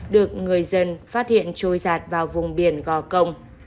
được người dân phát hiện trôi giạt vào vùng biển gò công